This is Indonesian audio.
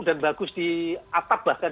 dan bagus di atap bahkan